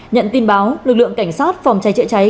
nhận tin báo lực lượng cảnh sát phòng cháy chữa cháy